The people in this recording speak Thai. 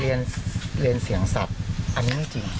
เป็นการเรียนเสียงสัตว์อันนี้ไม่จริง